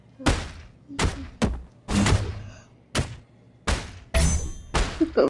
আদালতের নির্দেশে বিলাসবহুল গাড়ি ফেরত দেওয়াও শুরু করেন মন্ত্রী ও সরকারি কর্মকর্তার।